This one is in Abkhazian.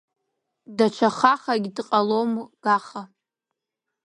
Даҽа хахагь дҟалом Гаха…